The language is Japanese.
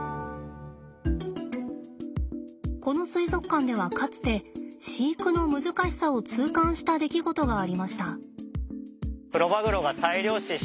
この水族館ではかつて飼育の難しさを痛感した出来事がありました。